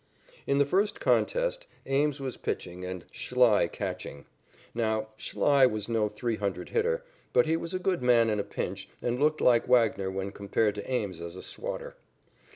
In the first contest Ames was pitching and Schlei catching. Now, Schlei was no three hundred hitter, but he was a good man in a pinch and looked like Wagner when compared to Ames as a swatter.